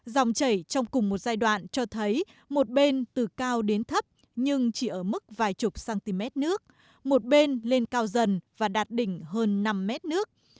dòng chảy trong cùng một giai đoạn cho thấy một bên từ cao đến thấp nhưng chỉ ở mức vài chục cm nước một bên lên cao dần và đạt đỉnh hơn năm mét nước